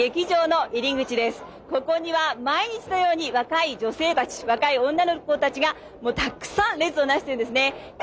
ここには毎日のように若い女性たち若い女の子たちがもうたくさん列をなしてるんですね。